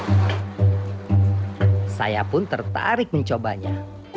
cak yu yapo leblosinganpun tertarik mencobanya